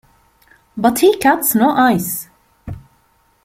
But he cuts no ice.